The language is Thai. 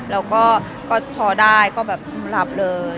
แล้วก็พอได้ก็รับเลย